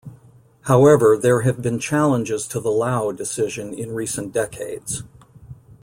However, there have been challenges to the Lau decision in recent decades.